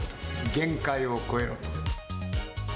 限界を超えろ！